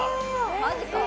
マジか。